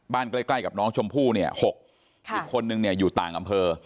บ้านใกล้ใกล้กับน้องชมพู่เนี่ยหกค่ะอีกคนนึงเนี่ยอยู่ต่างอำเภอ